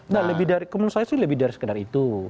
nah lebih dari kemungkinan saya lebih dari sekedar itu